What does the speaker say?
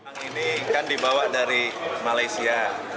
narkoba ini akan dibawa dari malaysia